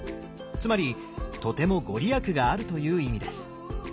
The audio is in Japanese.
つまりとても御利益があるという意味です。